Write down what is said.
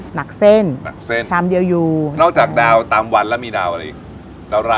หนักเส้นหมักเส้นชามเดียวอยู่นอกจากดาวตามวันแล้วมีดาวอะไรอีก